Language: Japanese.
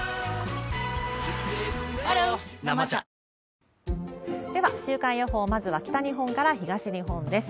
ハロー「生茶」では、週間予報、まずは北日本から東日本です。